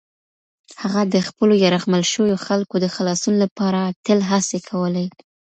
هغه د خپلو یرغمل شویو خلکو د خلاصون لپاره تل هڅې کولې.